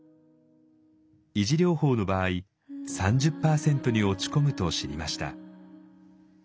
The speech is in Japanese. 維持療法の場合３０％に落ち込むと知りました。